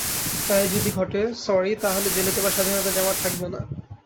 তাই যদি ঘটে সরি, তা হলে জেলে যাবার স্বাধীনতা যে আমার থাকবে না।